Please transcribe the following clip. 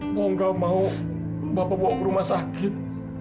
bapak nggak mau bapak bawa ke rumah sakit